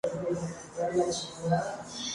Es una comadreja pequeña de color blanco y negro.